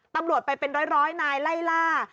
ตำรวจไปเป็นร้อยนายไล่ล่า